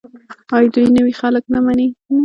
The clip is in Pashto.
آیا دوی نوي خلک نه مني؟